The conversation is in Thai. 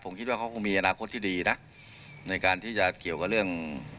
ผมคิดว่าเขาคงมีอนาคตที่ดีนะในการที่จะเกี่ยวกับเรื่อง